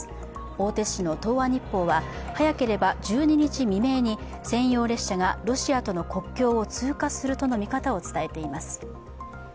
大手紙の「東亜日報」は早ければ１２日未明に専用列車がロシアとの国境を通過するとの見方を伝えています。